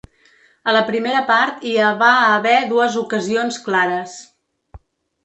A la primera part hi ha va haver dues ocasions clares.